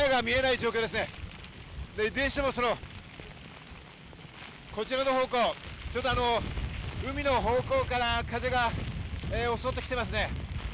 いずれにしてもこちらの方向、海の方向から風が襲ってきてますね。